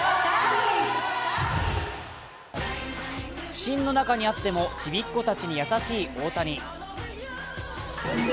不振の中にあっても、ちびっこたちに優しい大谷。